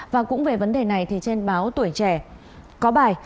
và cũng về vấn đề này thì trên báo tuổi trẻ có bài